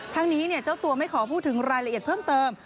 ทั้งนี้เจ้าตัวไม่ขอพูดถึงรายละเอียดเพิ่มเติม